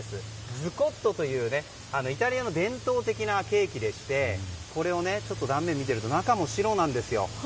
ズコットというイタリアの伝統的なケーキでしてちょっと断面を見ると中も白なんです。